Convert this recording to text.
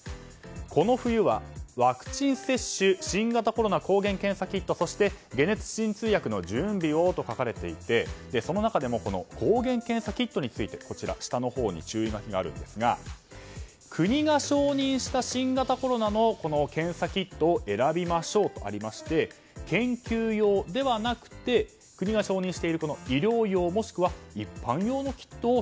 この冬は、ワクチン接種新型コロナ抗原検査キットそして、解熱鎮痛薬の準備をと書かれていて、その中でも抗原検査キットについて下のほうに注意書きがあるんですが国が承認した新型コロナの検査キットを選びましょうとありまして研究用ではなくて国が承認している医療用もしくは一般用のキットを